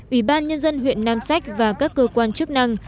ủy ban nhân dân huyện nam sách và các cơ quan chức năng